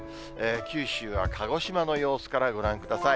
九州は鹿児島の様子からご覧ください。